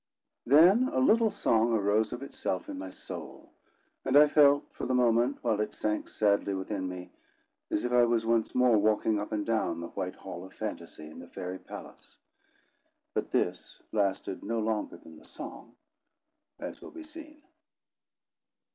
Then a little song arose of itself in my soul; and I felt for the moment, while it sank sadly within me, as if I was once more walking up and down the white hall of Phantasy in the Fairy Palace. But this lasted no longer than the song; as will be seen.